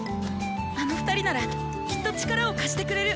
あの２人ならきっと力を貸してくれる！